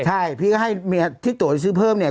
ไท้พี่ให้เมียทิ้งตั๋วซื้อเพิ่มเนี่ย